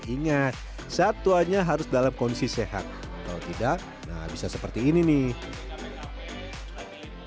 ingat satwanya harus dalam kondisi sehat kalau tidak nah bisa seperti ini nih